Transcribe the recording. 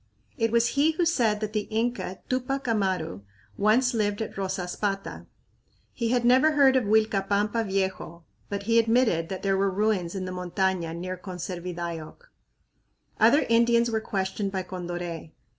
It was he who said that the Inca Tupac Amaru once lived at Rosaspata. He had never heard of Uilcapampa Viejo, but he admitted that there were ruins in the montaña near Conservidayoc. Other Indians were questioned by Condoré.